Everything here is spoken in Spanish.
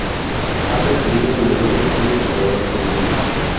Ha recibido numerosos premios alrededor del mundo.